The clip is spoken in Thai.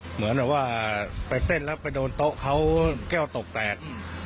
เหมือนแบบว่าไปเต้นแล้วไปโดนโต๊ะเขาแก้วตกแตก